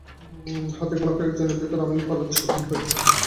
হাতেগোনা কয়েকজনের ভেতর আমিও পালাতে সক্ষম হই।